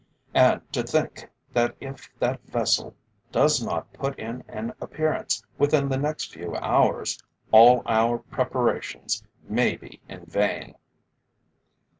And to think that if that vessel does not put in an appearance within the next few hours, all our preparations may be in vain!"